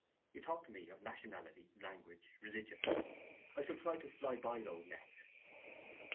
You talk to me of nationality, language, religion. I shall try to fly by those nets.